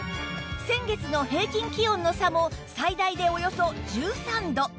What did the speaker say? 先月の平均気温の差も最大でおよそ１３度